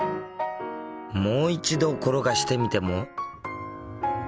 もう一度転がしてみても。